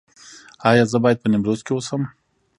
ایا زه باید په نیمروز کې اوسم؟